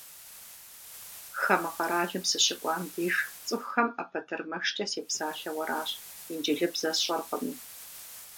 Хамэ къаралым сыщыкӏуам деж цӏыхухэм ӏэпэтэрмэшкӏэ сепсалъэу аращ, инджылыбзэ сщӏэркъыми.